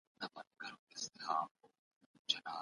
د سياست پوهني رول په ديموکراسۍ کي خورا مهم دی.